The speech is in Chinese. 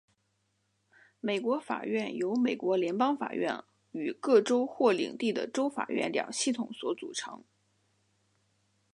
美国法院由美国联邦法院与各州或领地的州法院两系统所组成。